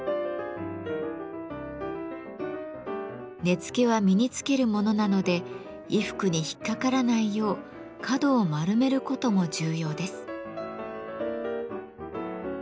根付は身につけるものなので衣服に引っかからないよう角を丸めることも重要です。